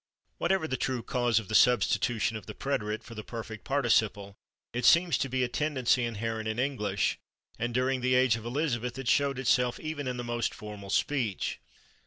Whatever the true cause of the substitution of the preterite for the perfect participle, it seems to be a tendency inherent in English, and during the age of Elizabeth it showed itself even in the most formal speech.